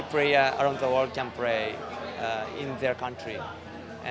pemain di seluruh dunia bisa bermain di negara mereka